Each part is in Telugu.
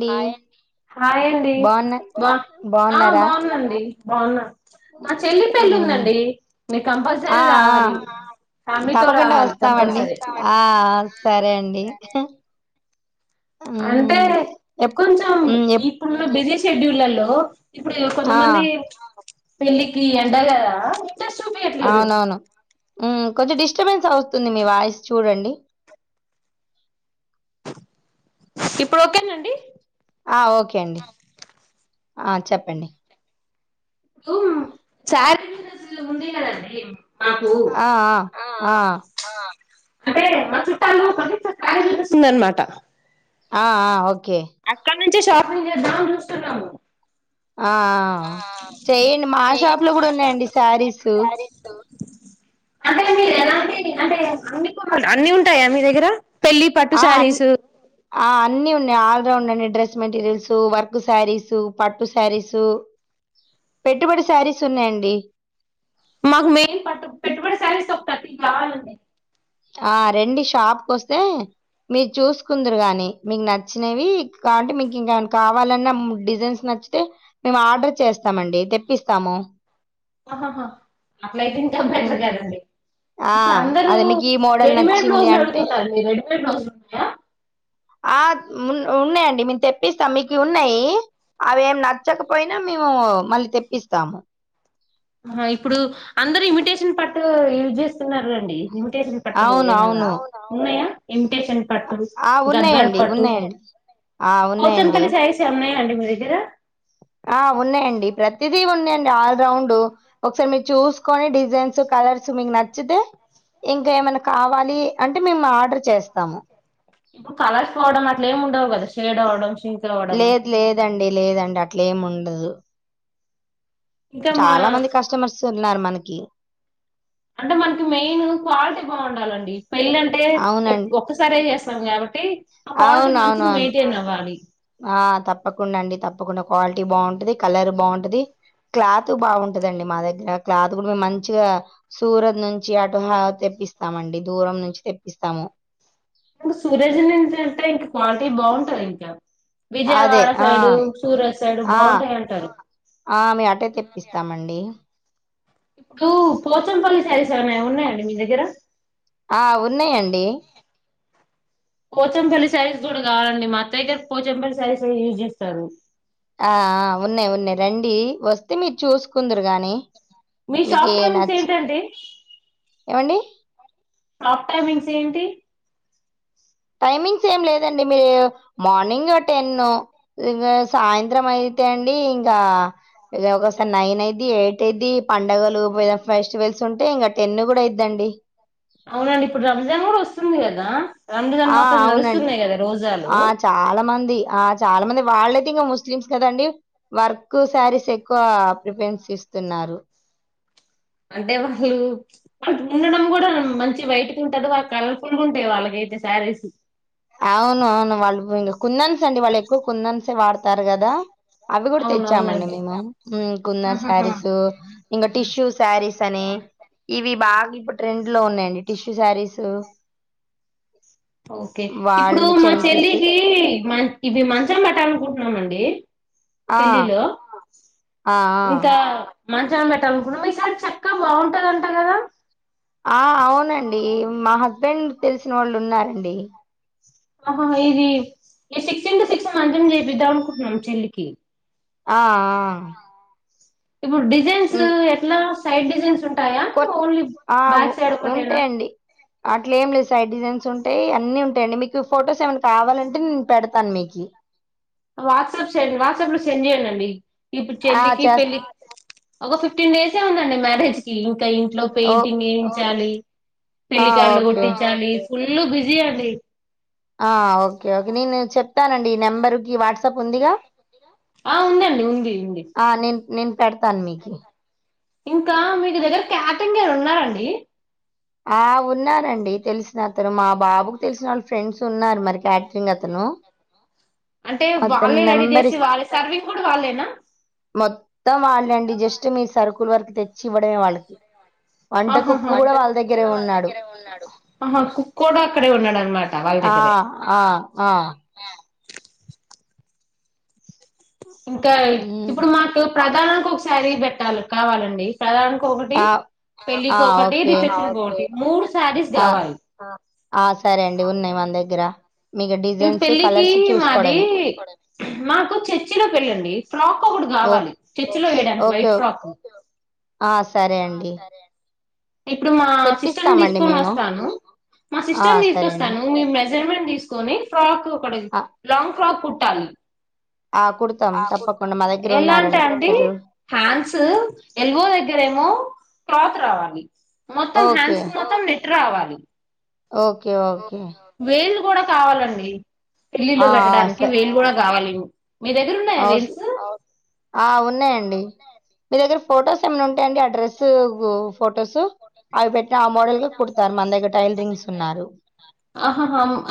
డి హాయండి బాగున్న బా బాగున్నారా బాగుందండి బాగున్నా మా చెల్లి ఉమ్ పెళ్ళిందండి మీరు ఆ కంపల్సరీ ఆ రావాలి ఫ్యామిలీతో తప్పకుండా రావాలి వస్తామండి కంపల్సరీ ఆ సరే అండి అంటే ఉమ్ ఎప్ కొంచెం ఉమ్ ఎప్ ఇప్పుడులో బిజ షెడ్యూల్లో ఇప్పుడు ఆ కొంతమంది పెళ్ళికి ఎండ లేదా అవునవును కొంచెం డిస్టర్బెన్స్ అవుస్తుంది మీ వాయిస్ చూడండి ఇప్పుడు ఒకేనండి ఆ ఓకే అండి ఆ చెప్పండి ఇప్పుడు చాలజ ముంద కదండి మాకు ఆ ఆ అంటే మా చుట్టాలుస్తుందనమాట ఆ ఓకే ఓకే ఇప్పుడ్ నుంచి షాపింగ్ చేద్దామని చూస్తున్నాం ఆ చెయ్యడి మా షాప్ లో కూడా ఉన్నాయండి శారీస్ అంటే మీరు ఎలా అంటే అ అన్ని ఉంటాయా మీ దగ్గర పెళ్లి పట్టు ఆ అ శారీస్ ఆ అన్నిీ ఉన్నాయి ఆ ఉండి డ్రెస్ మెటీరియల్స్ వర్క్ శారీసు పట్టు శారీసు పెట్టుబడి శారీస్ ఉన్నాయండి మాకు మెయిన్ పట్టు పెట్టుబడి శారీస్ ఒక బాలంది ఆ రండి షాప్కి వస్తే మీరు చూసుకుందురు గాని మీకు నచ్చినవి కాటేనివి మీకు ఇంకా కావాలన్న డిజైన్స్ నచ్చితే మేము ఆర్డర్ చేస్తామండి తెప్పిస్తాము ఆహాహా అట్లయి తింటే హ్మ్. బెటర్ కదండి ఆ! ఇప్పుడు అందరు అదే మీకు ఈ మోడల్ రెడీమేడ్ నచ్చింది డ్రస్సులు అంటే అడుతున్నారు రెడీ ఎ ప్రన్నాయ ఆ ఉ ఉన్నాయండి మేము తెప్పిస్తాం మీకు ఉన్నాయి అవి ఏమి నచ్చకపోయినా మేము మళ్ళీ తెప్పిస్తాము ఇప్పుడు అందరు ఇమిటేషన్ పట్టు యూజ్ చేస్తున్నారు రండి తేసిన పట్టు అవును. ఏమన్నా అవును. ఉన్నాయా టేషన్ అ పట్టు ఆ! గద్వల్ ఉన్నాయండి. పట్టు ఉన్నాయండి. ఆ పోతన్ ఉన్నాయండి. పలి శ్యారిస్ ఎమయిన ఉన్నాయా అండి మీ దగ్గరా ఆ ఉన్నాయండి ప్రతిదీ ఉన్నాయం ఆల్ రౌండ్ ఒకసారి మీరు చూసుకొని డి డిజైన్స్ కర్స్ మీకు నచ్చి నచ్చితే ఇంకా ఏమైనా కావాలి అంటే మేము ఆర్డర్ చేస్తాము ఇప్పుడు కలర్స్ పోవడం అట్లా ఏమి ఉండవు కదా షేడ్ అవ్వడం షింక్ అవ్వడము లేదు లేదండి లేదండి అట్ల ఏముండ డదు ఇంకా మా చాలా మంది కస్టమర్స్ ఉన్నారు మనకి క్వియు అంటే మనకి మెయిన్ క్వాలిటీ బాగుండాలండి పెళ్ళంటే అవునండి. ఒక్కసారే చేస్తాం కాబట్టి ఆ క్వాలిటీ మంచిగా అవునవునవును. మెయింటైన్ అవ్వాలి ఆ తప్పకుండా అండి తప్పకుండా క్వాలిటీ బాగుంటది, కలర్ బాగుంటది, క్లాత్ బాగుంటదండి. మా దగ్గర క్లాత్ కూడా మేము మంచిగా సూరద్ నుంచి అటుహ తెప్పిస్తామండి దూరం నుంచి తెప్పిస్తాము ఇంకా సూరజ్ నుంచి అంటే ఇంకా క్వాలిటీ బాగుంటది ఇంకా అదే విజయవాడ ఆ సైడు సూరత్ సైడ్ ఆ బాగుంటాయి అంటారు ఆ మే అటే తెప్పిస్తామండి ఇప్పుడు పోచంపల్లి శారీస్ ఏమన్న ఉన్నాయండి మీ దగ్గర ఆ ఉన్నాయండి పోచంపల్లి సారీస్ కూడా కావాలండి మాఅత్త అయితే పోచంపల్లి సారీసే యూజ్ చేస్తారు ఆ ఉన్నాయి ఉన్నాయి రండి వస్తే మీరు చూసుకుందురు గాని మీ షాప్ టైమింగ్స్ ఏంటండి ఏమండి షాప్ టైమింగ్స్ ఏంటి టైమింగ్స్ ఏం లేదండి మీరు మార్నింగ్ టెన్ సాయంత్రం అయితే అండి ఇంకా ఒకసారి నైన్ అయిద్ది, ఎయిట్ అయిద్ది పండగలు ఫెస్టివల్స్ ఉంటాయ్ ఇంక టెన్ కూడా అయిద్దండి అవునండి ఇప్పుడు రంజాన్ కూడా వస్తుంది కదా రంజాన్ ఆ మాసం అవునండి నడుస్తున్నాయి కదా రోజాలు ఆ చాలా మంది ఆ చాలా మంది వాళ్ళైతే ఇంకా ముస్లిమ్స్ కదండి వర్క్ శారీస్ ఎక్కువ ప్రిఫరెన్స్ ఇస్తున్నారు అంటే వాళ్ళు వా ఉండడం కూడా మంచి బయటికి ఉంటది వాళ్ళ కలర్ఫుల్ గా ఉంటాయి వాళ్ళకైతే శారీస్ అవును అవును వాళ్ళు ఇంక కుందన్స్ అండి వాళ్ళు ఎక్కువ కుందన్సే వాడతారు కదా అవి కూడా తెచ్చామండి అవునవునండి మేము మ్మ్ కుందన్ ఆహాహా శారీస్ ఇంకా టిష్యూ శారీస్ అని ఇవి బాగా ఇప్పుడు ట్రెండ్ లో ఉన్నాయండి టిష్యూ శారీస్ ఓకే ఇప్పుడు మా చెల్లికి మ ఇవి మంచం పట్టాలనుకుంటున్నామండి ఆ! పెళ్లి లో ఆ మంచాలు పెట్టాం ఇప్పుడు ఈసారి చక్కగా బాగుంటదంట కదా ఆ అవునండి మా హస్బెండ్ తెలిసిన వాళ్ళు ఉన్నారండి ఆహా ఇది ఈ సిక్స్ ఇంటూ సిక్సు మంచం చేపిద్దాం అనుకుంటున్నాం చెల్లికి ఆ ఇప్పుడు డిజైన్స్ ఎట్లా సైడ్ డిజైన్స్ ఉ కొ ఆ ఉంటే ఒకటేనా అండి అట్లా ఏం లేదు సైడ్ డిజైన్స్ ఉంటాయి. అన్నీ ఉంటాయండి మీకు ఫొటోస్ ఏమైన్నా కావాలంటే నేను పెడతాను మీకి వాట్సాప్ వాట్సాప్ లో సెండ్ చేయండి అండి ఇప్పుడు ఆ! చెల్లికి చేస్ పెళ్ళకి ఒక ఫిఫటీన్ డేస్ ఇ ఉందండి మ్యారేజ్ కి ఇంకా ఇంట్లో ఓ పెయింటింగ్ ఏయించాలి ఆ! పెలి కండ ఓకే. గటి చాలస్ ఫుల్ బిజీ అలది ఆ ఒకే ఒకే నేను చెప్ చెప్తానండి ఈ నెంబరు కి వాట్సాప్ ఉందిగా ఆ ఉందండి ఉంది ఉంది ఆ! నేను నేను పెడతాను మీకు ఇంకా మీకు దగ్గర క్యాటంగ్ గారు ఉన్నారండి ఆ ఉన్నారండి తెలిసిన అతను మా బాబుకు తెలిసిన వాళ్ళు ఫ్రెండ్స్ ఉన్నారు మరి క్యాటరింగ్ అతను అంటే అతని వాళ్ళే రెడీ నెంబర్ చేసి వాళ్ళే సర్వింగ్ కూడా వాళ్ళేనా మొత్తం వాళ్ళండి జస్ట్ మీ సరుకు కూల్ వరకు తెచ్చి ఇవ్వడమే వాళ్ళకి వంట కుక్కు కూడా వాళ్ళదగ్గ కూడా వాళ్ళ దగ్గరే ఉన్నాడు కుక్క కూడా అక్కడే ఉన్నాడు అనమాట వాళ్ళ దగ్గరే ఆ ఇంకా హ్మ్. ఇప్పుడు మాకు ప్రధానానికి ఒకసారి పెట్టాలి కావాలండి ప్రధాన టి ఆ! ఆ! పెళ్ళకిటి ఓకే. రిసెప్షన్టి మూడు శారీస్ ఆ! కావాలి ఆ సరే అండి ఉన్నాయి్ మన దగ్గర మీకు ఇవి డిజైన్స్, పెళ్ళికి కలర్స్ మాది చూసుకోవడమే. మాకు చర్చిలో పెళ్ళిండి ఫ్రాక్ ఒకడు ఓహ్! కావాలి చర్చిలో వేయడానికి ఓకే. వైట్ ఫ్రాక్ ఆ సరే అండి ఇప్పుడు మా సిస్టర్ ని తెప్పిస్తామండి తీసుకొని మేము వస్తాను మా ఆ సిస్టర్ సరే అండి తీసుకొస్తాను మే జజన్ తీసుకొని ఫ్రాక్ పడదు ఆ లాంగ్ ఫ్ర్రాక్ కుట్ టాలు ఆ కుడతాం తప్పకుండా మా దగ్గర ఎలాంటా ఉన్నారండి అండి కుట్టేటోళ్ళు హ్యాంస్ ఎల్వో దగ్గరేమో త్రాత్ రావాలి మొత్తం ఓకే హ్యాన్డ్స్ కు మొత్తం న రావాలి ఒకే ఒకే వేళ్ళు కూడా కావాలండి పెళ్లిలో ఆ పెట్టడానికి స వేలు కూడా కావాలండి మీ దగ్గర ఉన్నాయా ఆ స్ వెల్సు ఆ ఉన్నాయండి మీ దగ్గర ఫోటోస్ ఏమైనా ఉంటాయం అండి అడ్రస్సు ఫోటోస్ టైలరింగ్స్ ఉన్నారు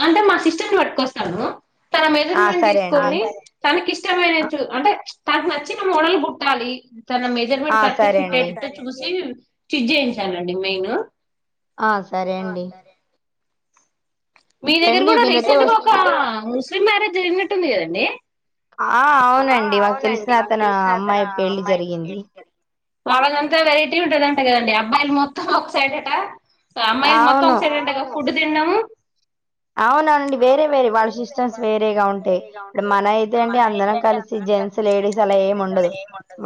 అంటే మా సిస్టర్ ని పట్టుకొస్తా తన ఆ మెజర్మెంట్ సరే అండి తీసుకుంది తనకి ఇష్టమైన ఆ చు అంటే తనకు నచ్చిన మోడల్ కుట్టాలి తన ఆ మెజర్మెంట్ కరెక్ట్ సరే ఫిట్ అండి అయ్యేటట్టు చూసి చిట్ చేయించానండి మెయిన్ ఆ సరే అండి మీ దగ్గర రండి కూడా మీరైతే రీసెంట్ గా ఒక వస్తే ముస్లిం మ్యారేజ్ జరిగినట్టుంది కదా దే ఆ అవునండి మాకు తెలిసిన అతను అమ్మాయి పెళ్ళి జరిగింది వాళ్ళదంతా వెరైటీ ఉంటదంట కదండి అబ్బాయిలు మొత్తం ఒకసైటట అమ్మాయిలు మొత్తం ఒక అవును సైడ్ అ టగా కుడ్ తిన్డం అవునవునండి వేరే వేరే వాళ్ళ సిస్టమ్స్ వేరేగా ఉంటాయి ఇప్పుడు మన అయితే అండి అందరు మనం కలిసి జెంట్స్ లేడీస్ అలా ఏం ఉండదు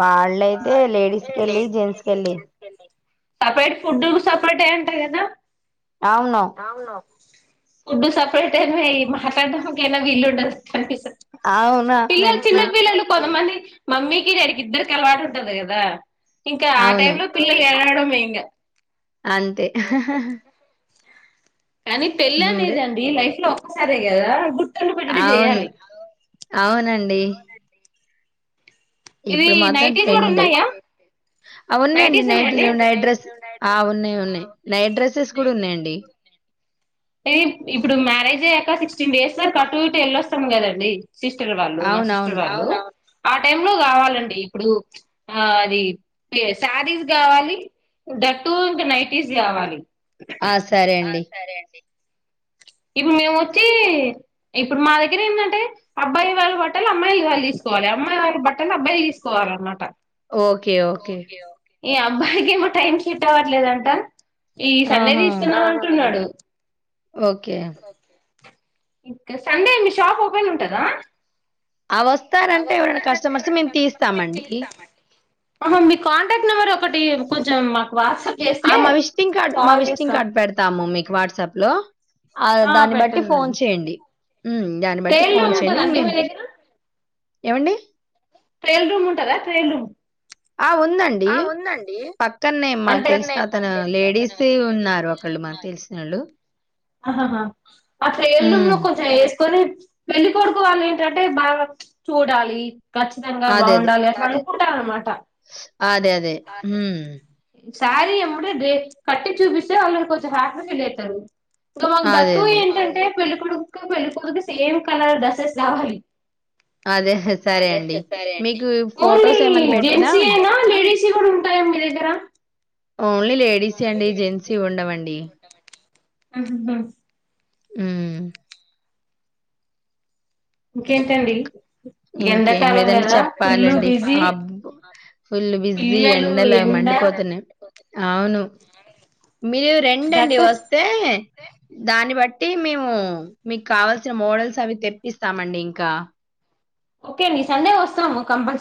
వాళ్ళయితే లేడీస్ క వెళ్ళి జెంట్స్ వెళ్ళి సపరేట్ ఫుడ్ సపరేట్ ఏ ఉంటా కదా అవును ఫుడ్డు సెపరేట్ ఏమ మాట్డాంకేనా వీల్లు ఉండదు కనిపిస్తది అవును పిల్లలు చిన్నపిిల్లలు కొంతమంది మమ్మీకి డాడీకి ఇద్దరికి అలవాటు ఉంటది కదా ఇంకా ఆ అవును. టైమ్ లో పిల్లలు మే యింగ అంతే కానీ పెళ్లిి హ్మ్. రె అనేది అండి లైఫ్ లో సరేగద గుడ్ అవును అవునండ్ డి ఇవి నైటీ లు కూడా ట్రెండ్. ఉన్నాయా ఆ ఉన్నాయండి నైటీ లో నైట్ డ్రెస్స్ ఆ ఉన్నాయి ఉన్నాయి నైట్ డ్రెస్సెస్ కూడా ఉన్నాయండి ఈ ఇప్పుడు మ్యారేజ్ అయ్యాక సిక్స్టీన్ డేస్ వరకు అ టు ఇటు వెళ్ళొస్తాము కదండి సిస్టర్ వాళ్ళు మా సిస్టర్ అవునవును. వాళ్ళు ఆ టైమ్ లో కావాలండి ఇప్పుడు ఆ అది శదీస్ కావాలి దట్టు ఇంకా నైటీస్ కావాలి ఆ సరే అండి ఇప్పుడు మేము వచ్చి ఇప్పుడు మా దగ్గర ఏంటంటే అబ్బాయి వాళ్ళ ప అమ్మాయి వాళ తీసుకోవాల అమ్మాయి వారు బ కాని అబ్బాయి తీసుకోవాలన్నమాట ఓకే ఓకే ఈ అబ్బాయికి ఏమో టైంకి పోవట్లేదంట ఈ సండే ఆహా! తీసుకుందాం అంటున్నాడు ఓకే ఇంక సండే మీ షాప్ ఓపెన్ ఉంటదా ఆ ఆ వస్తారంటే ఎవరైనా వస్తానంటే కస్టమర్స్ ఎవరన్న మేము కస్టమర్స్ మేము తీస్తామండి. తీస్తామండి మీ కాంటాక్ట్ నెంబర్ ఒకటి కొంచెం వాట్సాప్ ఆ చేస్తే మా విజిటింగ్ కార్డు మా కాల్ విజిటింగ్ చేస్తాం కార్డు పెడతాము మీకు వాట్సాప్ లో ఆ దాన్ని బట్టి ఫోన్ చేయండి దాన్ని బట్టి ట్రయల్ రూమ్ ఫోన్ చేయండి ఉంటదండి మీ మేము దగ్గర ఏమండి ట్రైల్ రూమ్ ఉంటదా ట్రైల్ రూమ్ ఆ! ఉందండి. ఆ ఉందండి పక్కనే మాకు అంటే తెలిసిన మాకు అతను తెలిసిన అతను, లేడీస్ ఉన్నారు లేడీస్ ఒకళ్ళు మాకు ఉన్నారు తెలిసినోళ్ళు. హ్మ్. [unintelligible] కొన్ని పెళ్లి కొడుకు వాళ్ళు ఏంటంటే బాగా చూడాలి ఖచ్చితంగా అదే. అదే. బాగుండాలి అట్లా కుట్టాలనమాట అదే అదే హు సారీ ఎమ్మడే కట్టి చూపిస్తే వాళ్ళు కొంచెం హ్యాపీగా ఫీల్ అయితారు సో మాకు దట్ అదే. టూ అదే. ఏంటంటే పెళ్ ప్పు ఏం సేమ్ కలర్ డ్రెస్సెస్ ఆ అదే. సరే అదే అండి. సరే మీకు అ ఓన్లీ ఫోటోస్ ఏమన్నా పెట్టినా జెంట్స్ వేన లేడీస్ [unintelligible] ఉంటాయా మీ దగ్గర ఓన్లీ లేడీస్ అండి జెంట్స్ ఇ్వండవండి ఉహు [inaudible] ఇంకేంటి అండి ఇంకేం లేదండి చెప్పాలండి బిజీ అబ్బ ఫుల్ బిజీ పిల్లలు ఎండలు ఎండ మండిపోతున్నాయి ఆ అవును మీరు రండి అండి దట్టు వస్తే దాన్ని బట్టి అంటే మేము మీకు కావాల్సిన మోడల్స్ అవి తెప్పిస్తామండి ఇంకా ఓకే అండి సండే వస్తాము కంపల్సరీ